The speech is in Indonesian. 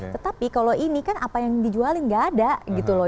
tetapi kalau ini kan apa yang dijualin nggak ada gitu loh